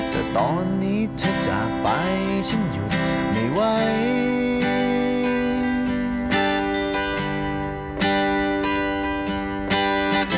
แต่ตอนนี้เธอจากไปฉันอยู่ไม่ไหว